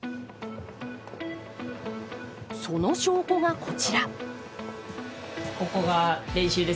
その証拠がこちら。